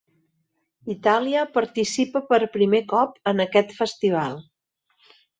Itàlia participa per primer cop en aquest festival.